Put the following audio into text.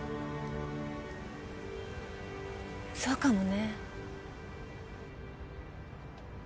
そうかもね。